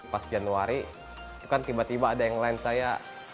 pas januari itu kan tiba tiba ada yang lain saya